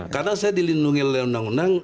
karena saya dilindungi oleh undang undang